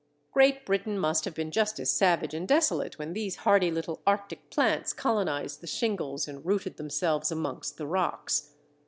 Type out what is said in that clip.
Great Britain must have been just as savage and desolate when these hardy little Arctic plants colonized the shingles and rooted themselves amongst the rocks.